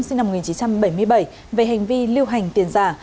sinh năm một nghìn chín trăm bảy mươi bảy về hành vi lưu hành tiền giả